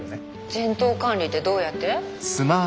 全頭管理ってどうやって？